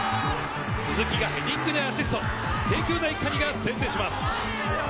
鈴木がヘディングでアシスト、帝京大可児が先制します。